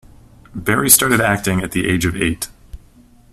Berry started acting at the age of eight.